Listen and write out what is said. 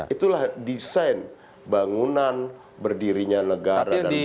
itulah desain bangunan berdirinya negara dan bangsa indonesia ini